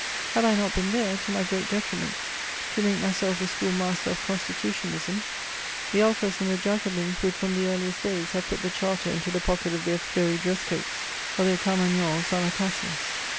Had I not been there, to my great detriment, to make myself the school master of constitutionalism, the Ultras and the Jacobins would from the earliest days have put the Charter into the pocket of their fleury dress coats or their carmagnoles _à la Cassius.